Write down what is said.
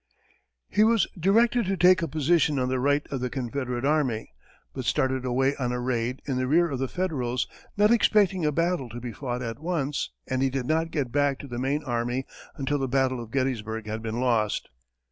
He was directed to take a position on the right of the Confederate army, but started away on a raid in the rear of the Federals, not expecting a battle to be fought at once, and he did not get back to the main army until the battle of Gettysburg had been lost.